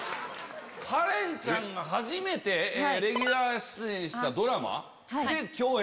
カレンちゃんが初めてレギュラー出演したドラマで共演。